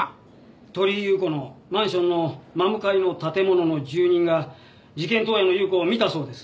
鳥居優子のマンションの真向かいの建物の住人が事件当夜の優子を見たそうです。